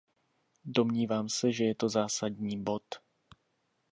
Domnívám se, že je to zásadní bod.